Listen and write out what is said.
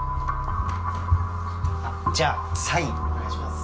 あっじゃサインお願いします